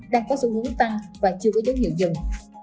đang có số nguồn tăng và chưa có chất nhiệt dừng